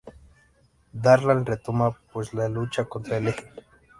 Darlan retoma pues la lucha contra el Eje.